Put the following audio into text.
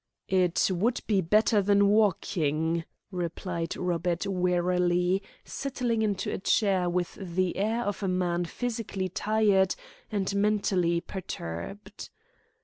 "It would be better than walking," replied Robert wearily, settling into a chair with the air of a man physically tired and mentally perturbed.